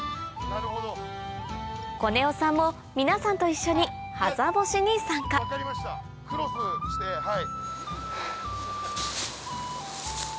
コネオさんも皆さんと一緒にはざ干しに参加クロスしてはい。